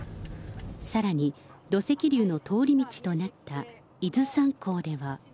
さらに土石流の通り道となった伊豆山港では。